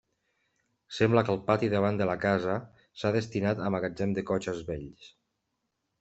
Sembla que el pati davant de la casa s'ha destinat a magatzem de cotxes vells.